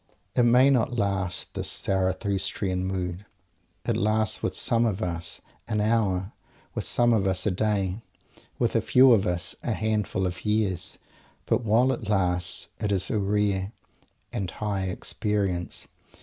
It may not last, this Zarathustrian mood. It lasts with some of us an hour; with some of us a day with a few of us a handful of years! But while it lasts, it is a rare and high experience.